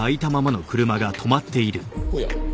おや。